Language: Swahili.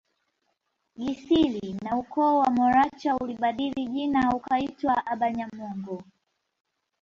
Gisiri na ukoo wa Moracha ulibadili jina ukaitwa abanyamongo